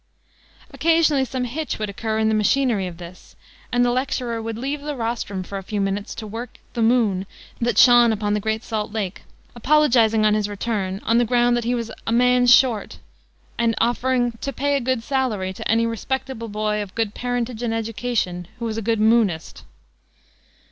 Occasionally some hitch would occur in the machinery of this and the lecturer would leave the rostrum for a few moments to "work the moon" that shone upon the Great Salt Lake, apologizing on his return on the ground that he was "a man short" and offering "to pay a good salary to any respectable boy of good parentage and education who is a good moonist."